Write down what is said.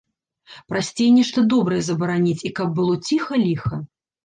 Прасцей нешта добрае забараніць, і каб было ціха-ліха.